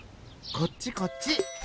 こっちこっち！